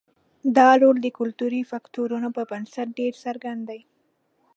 دا رول د کلتوري فکټورونو په نسبت ډېر څرګند دی.